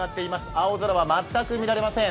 青空は全く見られません。